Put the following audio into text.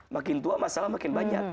makin tua masalah makin banyak